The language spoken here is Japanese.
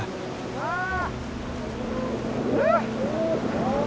ああ！